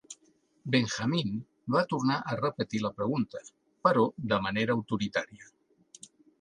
Benjamin va tornar a repetir la pregunta, però de manera autoritària.